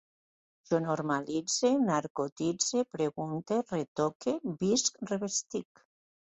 Jo normalitze, narcotitze, pregunte, retoque, visc, revestisc